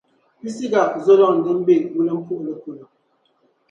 Pisiga zo’ lɔŋ din be wulimpuhili polo.